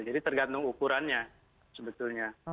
jadi tergantung ukurannya sebetulnya